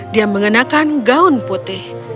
dia mengenakan gaun putih